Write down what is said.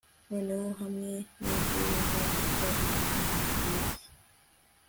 Noneho hamwe ninduru no gukoma amashyi